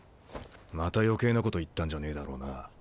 また余計なこと言ったんじゃねえだろうな。